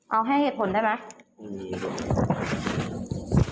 เอาให้เหตุผลได้ไหม